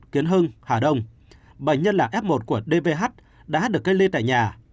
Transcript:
kiến hưng hà đông bệnh nhân là f một của dvh đã được gây ly tại nhà